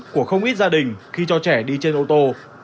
của không ít gia đình khi cho trẻ đi trên ô tô